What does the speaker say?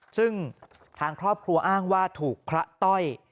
ซึ่งทางครอบครัวอ้างว่าถูกพระต้อย